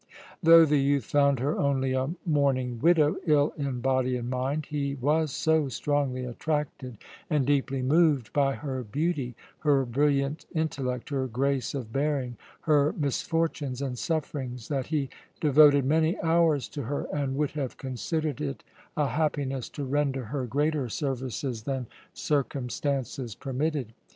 Though the youth found her only a mourning widow, ill in body and mind, he was so strongly attracted and deeply moved by her beauty, her brilliant intellect, her grace of bearing, her misfortunes and sufferings, that he devoted many hours to her, and would have considered it a happiness to render her greater services than circumstances permitted.